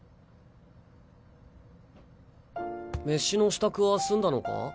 飯の支度はすんだのか？